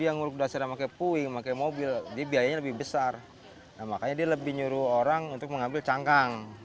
nah makanya dia lebih nyuruh orang untuk mengambil cangkang